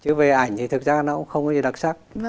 chứ về ảnh thì thực ra nó cũng không có gì đặc sắc